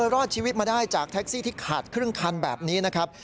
รอดชีวิตมาได้จากแท็กซี่ที่ขาดครึ่งคันแบบนี้นะครับ